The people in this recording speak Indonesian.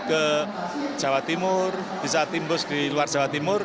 bisa tembus ke jawa timur bisa tembus di luar jawa timur